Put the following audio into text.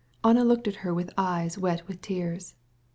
Anna looked at her with eyes wet with tears.